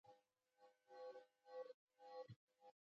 آیا بهرنی افغانان پانګونې ته راځي؟